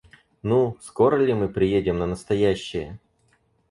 Ну, скоро ли мы приедем на настоящее?